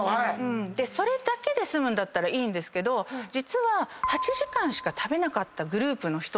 それだけで済むんだったらいいんですけど実は。